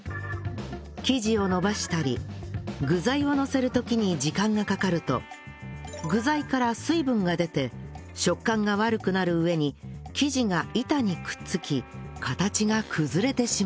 生地を伸ばしたり具材をのせる時に時間がかかると具材から水分が出て食感が悪くなる上に生地が板にくっつき形が崩れてしまうんです